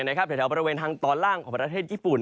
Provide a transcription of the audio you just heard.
แถวบริเวณทางตอนล่างของประเทศญี่ปุ่น